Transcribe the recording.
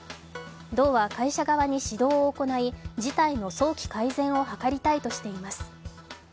道は会社側に指導を行い、事態の早期改善を図りたいとしています。